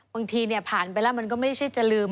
บางทีผ่านไปแล้วมันก็ไม่ใช่จะลืม